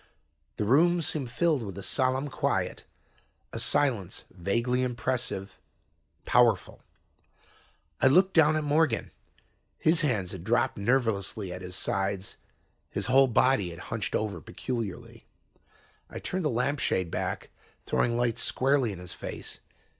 The room seemed filled with a solemn quiet, a silence vaguely impressive, powerful. I looked down at Morgan. His hands had dropped nervelessly at his sides, while his body had hunched over peculiarly. I turned the lamp shade back, throwing light squarely in his face.